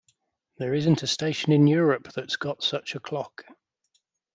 There isn't a station in Europe that's got such a clock.